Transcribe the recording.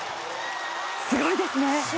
すごいですね。